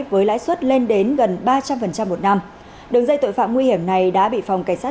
với lãi suất lên đến gần ba trăm linh một năm đường dây tội phạm nguy hiểm này đã bị phòng cảnh sát